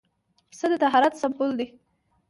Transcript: پسه د طهارت سمبول دی.